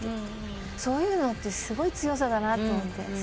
そういうのってすごい強さだなと思って。